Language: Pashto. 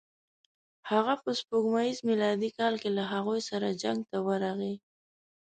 هغه په سپوږمیز میلادي کال کې له هغوی سره جنګ ته ورغی.